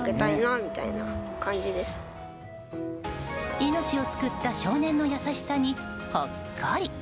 命を救った少年の優しさにほっこり。